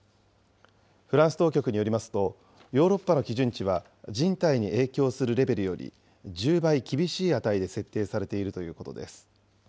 フランス当局によりますと、ヨーロッパの基準値は人体に影響するレベルより１０倍厳しい値で設定されているということです。